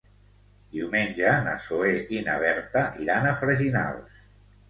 Diumenge na Zoè i na Berta iran a Freginals.